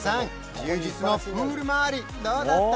充実のプール周りどうだった？